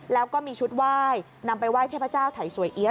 แล้วก็มีชุดไหว้นำไปไหว้เทพเจ้าไถ่สวยเอี๊ย